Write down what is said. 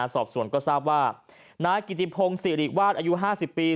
สอบส่วนก็ทราบว่านายกิติพงศิริวาสอายุ๕๐ปี